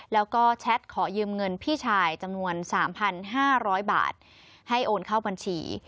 แล้วก็แชทขอยืมเงินพี่ชายจำนวน๓๕๐๐บาทให้โอนเข้าบัญชี